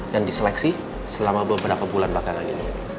dan diseleksi selama beberapa bulan belakangan ini